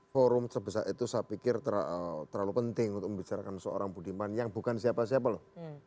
forum sebesar itu saya pikir terlalu penting untuk membicarakan seorang budiman yang bukan siapa siapa loh